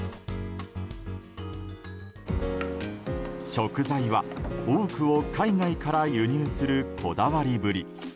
食材は、多くを海外から輸入するこだわりぶり。